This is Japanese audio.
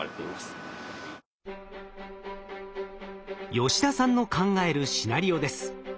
吉田さんの考えるシナリオです。